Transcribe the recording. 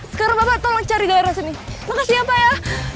sekarang bapak tolong cari gairah sini makasih ya pak ya